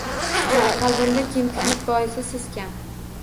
Qalbimda kemtiklik boisi siz kam